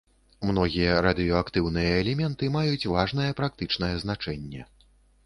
Многія радыеактыўныя элементы маюць важнае практычнае значэнне.